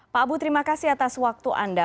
pak abu terima kasih atas waktu anda